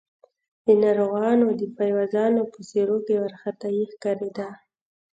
د ناروغانو د پيوازانو په څېرو کې وارخطايي ښکارېده.